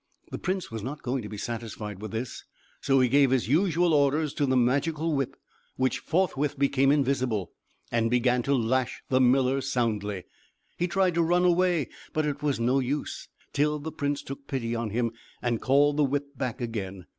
The prince was not going to be satisfied with this; so he gave his usual orders to the Magical Whip, which forthwith became invisible, and began to lash the miller soundly. He tried to run away; but it was no use; till the prince took pity on him, and called the whip back again.